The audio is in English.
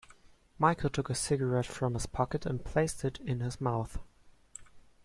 Michael took a cigarette from his pocket and placed it in his mouth.